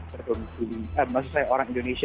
terkonsumsi maksud saya orang indonesia